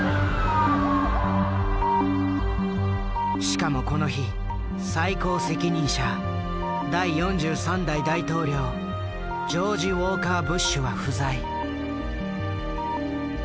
しかもこの日最高責任者第４３代大統領ジョージ・ウォーカー・ブッシュは不在。